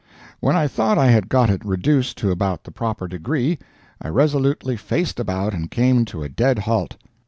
When I thought I had got it reduced to about the proper degree, I resolutely faced about and came to a dead halt.